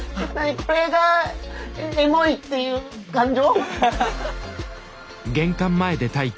これがエモいっていう感情？